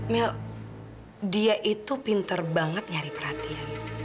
mel dia itu pinter banget nyari perhatian